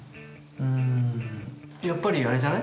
うんやっぱりあれじゃない？